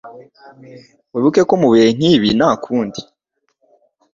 Wibuke ko mubihe nkibi nta kundi